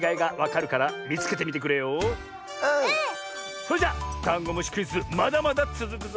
それじゃダンゴムシクイズまだまだつづくぞ！